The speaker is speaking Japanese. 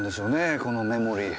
このメモリー。